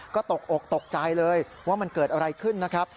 ก็ตกอกตกใจเลยว่ามันเกิดอะไรขึ้นนะครับ